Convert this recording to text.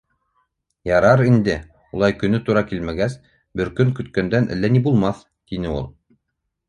— Ярар инде, улай көнө тура килмәгәс, бер көн көткәндән әллә ни булмаҫ, — тине ул.